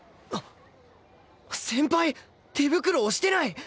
先輩手袋をしてない！？